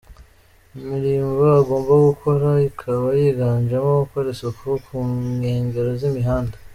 Imirimbo agomba gukora ikaba yiganjemo gukora isuku ku nkengero z’imihanda.